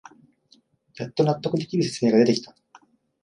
やっと納得できる説明が出てきた